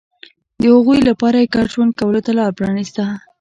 د هغوی لپاره یې ګډ ژوند کولو ته لار پرانېسته